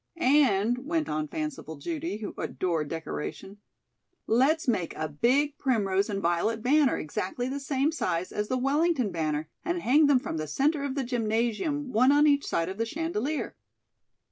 "And," went on fanciful Judy, who adored decoration, "let's make a big primrose and violet banner exactly the same size as the Wellington banner and hang them from the center of the gymnasium, one on each side of the chandelier."